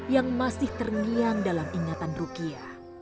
yang masih terngiang dalam ingatan rukiah